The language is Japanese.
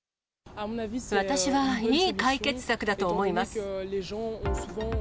私はいい解決策だと思います。